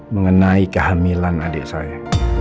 mengenai kehamilan adik saya